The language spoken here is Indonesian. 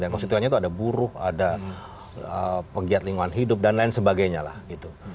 dan konstituennya itu ada buruh ada penggiat lingkungan hidup dan lain sebagainya lah gitu